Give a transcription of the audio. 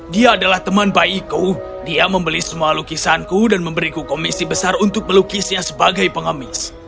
dia adalah teman bayiku dia membeli semua lukisanku dan memberiku komisi besar untuk melukisnya sebagai pengemis